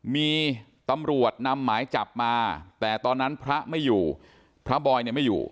มีตำรวจนำหมายจับมาแต่ตอนนั้นพระไม่อยู่พระบอยเนี่ยไม่อยู่